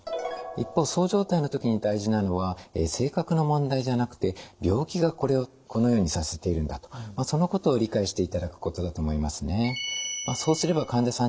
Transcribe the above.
一方そう状態の時に大事なのは性格の問題じゃなくて病気がこのようにさせているんだとそのことを理解していただくことだと思いますね。